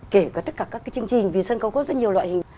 kể cả tất cả các chương trình vì sân khấu có rất nhiều loại hình